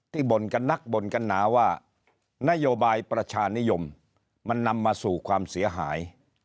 บ่นกันนักบ่นกันหนาว่านโยบายประชานิยมมันนำมาสู่ความเสียหาย